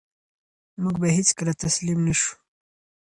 موږ به هېڅکله تسلیم نه شو.